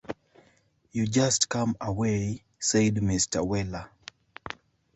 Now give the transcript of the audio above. ‘You just come away,’ said Mr. Weller.